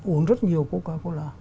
uống rất nhiều coca cola